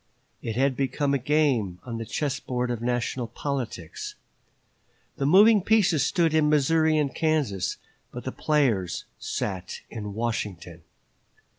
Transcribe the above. It had become a game on the chess board of national politics. The moving pieces stood in Missouri and Kansas, but the players sat in Washington.